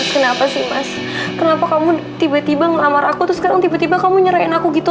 kenapa sih mas kenapa kamu tiba tiba ngelamar aku terus sekarang tiba tiba kamu nyerahin aku gitu